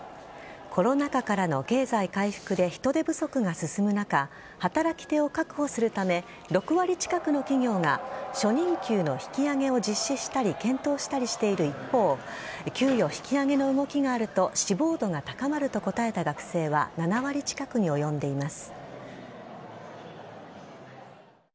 コロナ禍からの経済回復で人手不足が進む中働き手を確保するため６割近くの企業が初任給の引き上げを実施したり検討したりしている一方給与引き上げの動きがあると志望度が高まると答えた学生は７割近くに及んでいます。